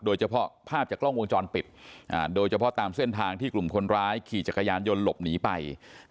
โดยเฉพาะภาพจากกล้องวงจรปิดโดยเฉพาะตามเส้นทางที่กลุ่มคนร้ายขี่จักรยานยนต์หลบหนีไป